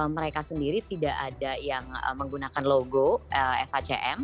mereka sendiri tidak ada yang menggunakan logo fhcm